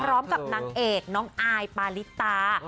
พร้อมกับนางเอกน้องอายปาลิตา